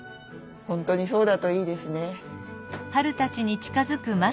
本当にそうだといいですね。